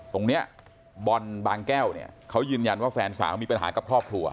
ตรงนี้บอลบางแก้วเนี่ยเขายืนยันว่าแฟนสาวมีปัญหากับครอบครัว